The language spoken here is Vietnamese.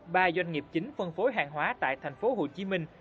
ba doanh nghiệp chính phân phối hàng hóa tại thành phố hồ chí minh